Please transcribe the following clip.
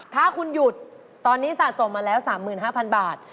ถ้าคุณหยุดตอนนี้สะสมมาแล้ว๓๕๐๐บาท